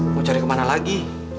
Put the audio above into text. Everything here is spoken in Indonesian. mau cari kemana lagi